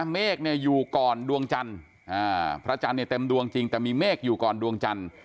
เมฆเนี่ยอยู่ก่อนดวงจันทร์พระจันทร์เนี่ยเต็มดวงจริงแต่มีเมฆอยู่ก่อนดวงจันทร์